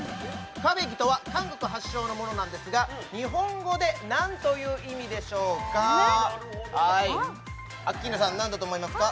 クァベギとは韓国発祥のものなんですが日本語で何という意味でしょうかアッキーナさん何だと思いますか？